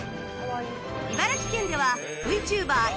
茨城県では ＶＴｕｂｅｒ 茨